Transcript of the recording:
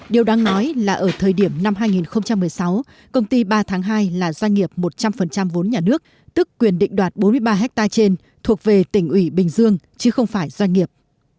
điều đáng nói là ở thời điểm năm hai nghìn một mươi sáu công ty ba tháng hai là doanh nghiệp một trăm linh vốn nhà nước tức quyền định đoạt bốn mươi ba ha trên thuộc về tỉnh ủy bình dương chứ không phải doanh nghiệp